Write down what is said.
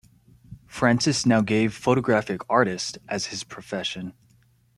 Francis now gave 'Photographic Artist' as his profession.